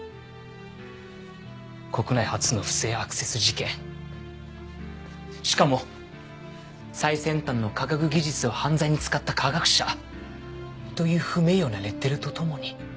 国内初の不正アクセス事件しかも最先端の科学技術を犯罪に使った科学者という不名誉なレッテルと共に。